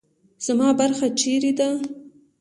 زما برخه چیرې ده؟